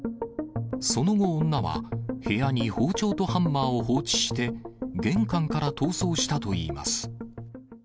その後、女は部屋に包丁とハンマーを放置して、玄関から逃走したといいます。